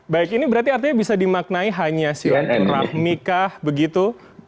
baik ini berarti artinya bisa dimaknai hanya silaturahmi kah begitu